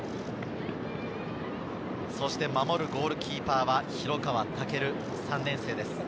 守るゴールキーパーは広川豪琉、３年生です。